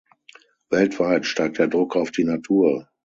Weltweit steigt der Druck auf die Natur.